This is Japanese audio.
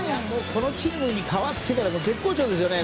このチームに変わってから絶好調ですよね。